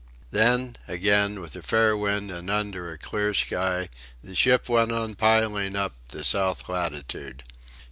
Then, again, with a fair wind and under a clear sky, the ship went on piling up the South Latitude.